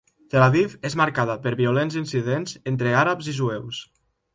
Tel Aviv és marcada per violents incidents entre àrabs i jueus.